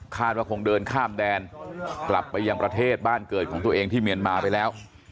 ว่าคงเดินข้ามแดนกลับไปยังประเทศบ้านเกิดของตัวเองที่เมียนมาไปแล้ว